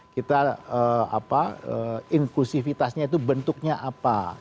kita inklusifitasnya itu bentuknya apa